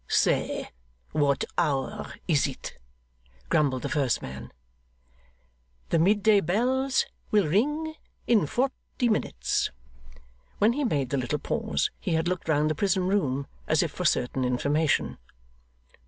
'Say what the hour is,' grumbled the first man. 'The mid day bells will ring in forty minutes.' When he made the little pause, he had looked round the prison room, as if for certain information.